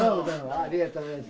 ありがとうございます。